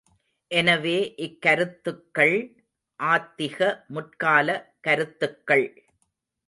எனவே இக்கருத்துக்கள் ஆத்திக முற்கால கருத்துக்கள்.